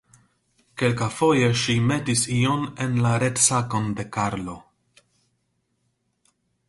Kelkafoje ŝi metis ion en la retsakon de Karlo.